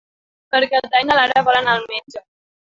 Per Cap d'Any na Lara vol anar al metge.